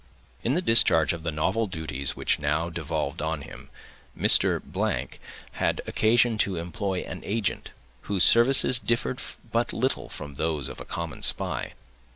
In the discharge of the novel duties which now devolved on him, Mr.—— had occasion to employ an agent whose services differed but little from those of a common spy.